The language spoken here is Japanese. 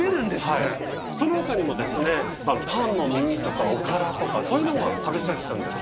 そのほかにもパンの耳とか、おからとか、そういうのも食べさせたんです。